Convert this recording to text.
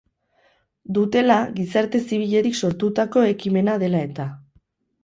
Dutela, gizarte zibiletik sortutako ekimena dela eta.